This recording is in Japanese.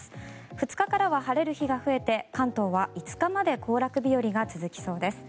２日からは晴れる日が増えて関東は５日まで行楽日和が続きそうです。